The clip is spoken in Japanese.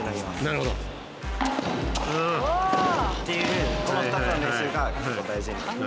なるほど。っていうこの２つの練習が結構大事になります。